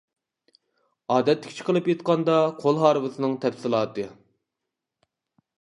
ئادەتتىكىچە قىلىپ ئېيتقاندا، قول ھارۋىسىنىڭ. تەپسىلاتى.